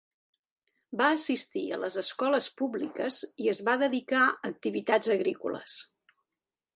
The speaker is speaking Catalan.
Va assistir a les escoles públiques i es va dedicar a activitats agrícoles.